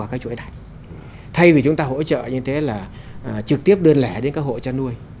các cái thương hiệu